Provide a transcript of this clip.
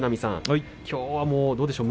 きょうはどうでしょうか。